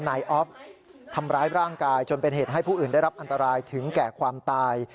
นายออฟทำร้ายร่างกายจนเป็นเหตุให้ผู้อื่นได้รับอันตรายถึงแก่ความตาย